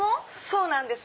そうなんです。